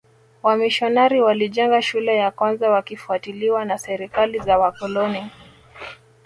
Wamisionari walijenga shule za kwanza wakifuatiliwa na serikali za wakoloni